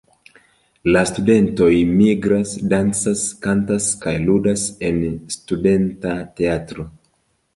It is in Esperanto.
La studentoj migras, dancas, kantas kaj ludas en studenta teatro.